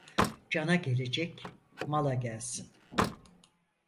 Cana gelecek mala gelsin.